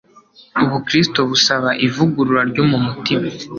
ubukristo busaba ivugurura ryo mu mutima